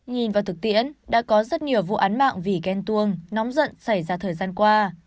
nhìn vào thực tiễn đã có rất nhiều vụ án mạng vì ghen tuông nóng giận xảy ra thời gian qua